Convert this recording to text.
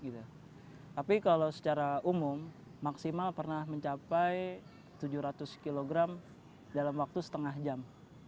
tapi kalau secara umum maksimal pernah mencapai tujuh ratus kg dalam waktu setengah jam